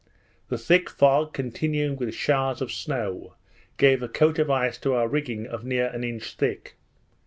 The thick fog continuing with showers of snow, gave a coat of ice to our rigging of near an inch thick.